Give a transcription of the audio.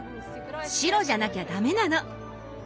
白じゃなきゃダメなの。